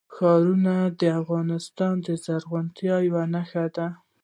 ښارونه د افغانستان د زرغونتیا یوه نښه ده.